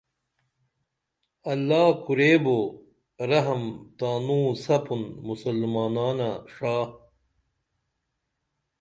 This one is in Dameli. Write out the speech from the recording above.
اللہ کوریبو رحم تانوں سپُن مُسلمانہ ݜا